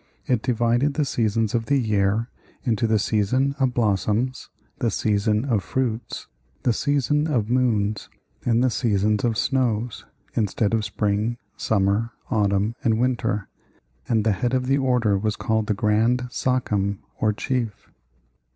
It divided the seasons of the year into the Season of Blossoms, the Season of Fruits, the Season of Moons, and the Season of Snows, instead of Spring, Summer, Autumn, and Winter. And the head of the order was called the Grand Sachem or Chief.